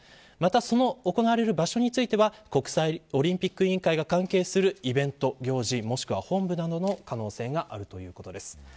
また行われる場所については国際オリンピック委員会が関係するイベント行事もしくは本部などの可能性があるということです。